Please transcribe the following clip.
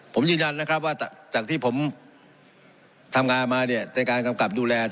เพราะจากที่ผมทำงานมาเนี่ยในการกำกรับดูแลทะเล